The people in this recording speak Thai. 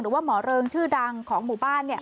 หรือว่าหมอเริงชื่อดังของหมู่บ้าน